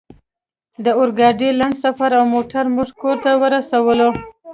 د اورګاډي لنډ سفر او موټر موږ کور ته ورسولو